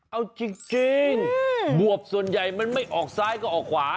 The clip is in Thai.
เอาจริงบวบส่วนใหญ่มันไม่ออกซ้ายก็ออกขวา